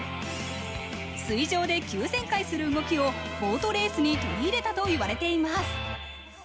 水上で急旋回する動きをボートレースに取り入れたと言われています。